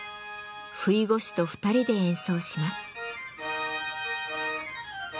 ふいご手と２人で演奏します。